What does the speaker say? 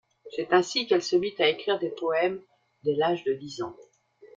C'est ainsi qu'elle se mit à écrire des poèmes dès l'âge de dix ans.